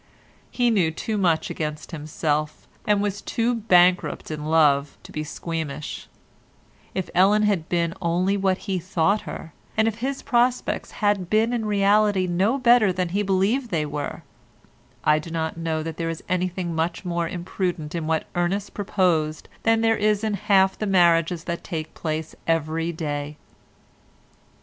He knew too much against himself, and was too bankrupt in love to be squeamish; if Ellen had been only what he thought her, and if his prospects had been in reality no better than he believed they were, I do not know that there is anything much more imprudent in what Ernest proposed than there is in half the marriages that take place every day.